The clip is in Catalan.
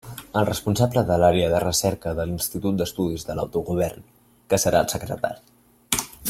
El responsable de l'Àrea de Recerca de l'Institut d'Estudis de l'Autogovern, que serà el secretari.